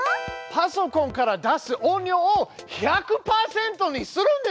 パソコンから出す音量を１００％にするんですね！